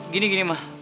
gini gini mah